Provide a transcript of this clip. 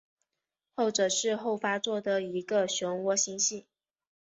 后者是后发座的一个旋涡星系。